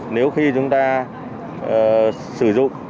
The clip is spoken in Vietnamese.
nếu khi chúng ta sử dụng